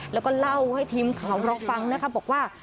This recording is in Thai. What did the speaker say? แล้วก็เล่าให้ทีมข่าวเราฟังนะคะบอกว่า